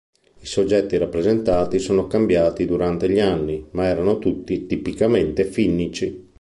I soggetti rappresentati sono cambiati durante gli anni, ma erano tutti tipicamente finnici.